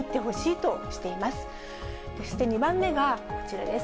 そして２番目がこちらです。